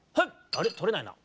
あれとれないな。